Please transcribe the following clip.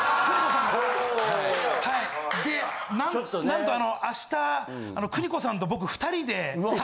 なんとあの明日あの邦子さんと僕２人で。